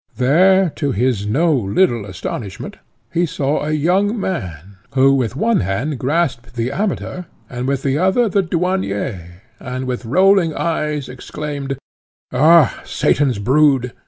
There, to his no little astonishment, he saw a young man, who with one hand grasped the Amateur, and with the other the Douanier, and with rolling eyes exclaimed, "Ha! Satan's brood!